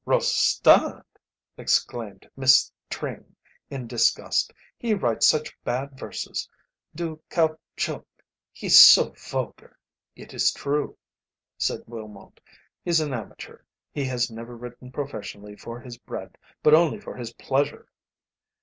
"Rostand!" exclaimed Miss Tring, in disgust, "he writes such bad verses du caoutchouc he's so vulgar." "It is true," said Willmott, "he's an amateur. He has never written professionally for his bread but only for his pleasure."